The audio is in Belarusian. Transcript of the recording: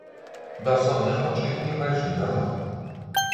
Бяссонныя ночы не прайшлі дарма.